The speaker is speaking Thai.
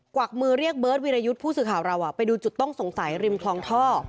วักมือเรียกเบิร์ตวิรยุทธ์ผู้สื่อข่าวเราไปดูจุดต้องสงสัยริมคลองท่อ